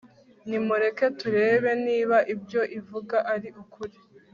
nimureke turebe niba ibyo ivuga ari ukuri